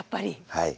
はい。